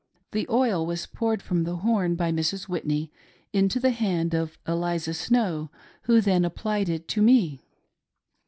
The oil was poured from the horn by Mrs. Whitney into the hand of Eliza Snow, who then applied it to me.